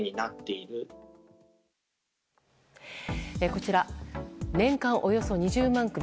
こちら、年間およそ２０万組。